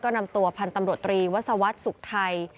ก็นำตัวพันธ์ตำรวจรีวสวรรค์สุขไทย